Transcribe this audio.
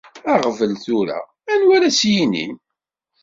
Aɣbel tura tura anwa ara s-yinin.